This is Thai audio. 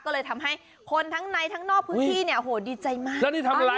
ก็เลยทำให้คนทั้งในทั้งนอกพื้นที่เนี่ยโหดีใจมากแล้วนี่ทำอะไร